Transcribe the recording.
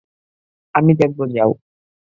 আমি দেখব, যাও।